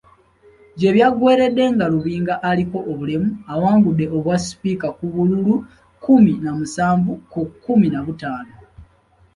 Gye byaggweeredde nga Lubinga aliko obulemu awangudde obwasipiika ku bululu kkumi na musanvu ku kkumi na butaano.